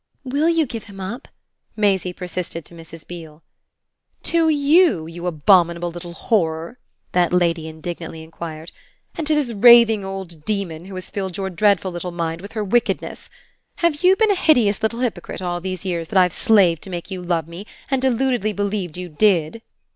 "WILL you give him up?" Maisie persisted to Mrs. Beale. "To YOU, you abominable little horror?" that lady indignantly enquired, "and to this raving old demon who has filled your dreadful little mind with her wickedness? Have you been a hideous little hypocrite all these years that I've slaved to make you love me and deludedly believed you did?"